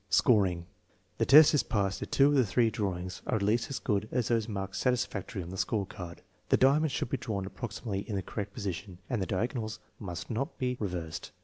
Scoring. The test is passed if two of the three drawings are at least as good as those marked satisfactory on the score card. The diamond should be drawn approximately in the correct position, and the diagonals must not be re versed.